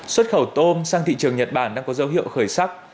xuất khẩu tôm sang thị trường nhật bản đang có dấu hiệu khởi sắc